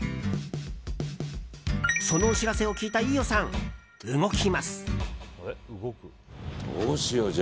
その知らせを聞いた飯尾さん動きます。